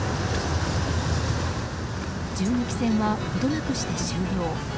銃撃戦は、ほどなくして終了。